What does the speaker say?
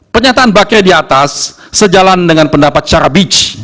penyataan bakri di atas sejalan dengan pendapat syarabic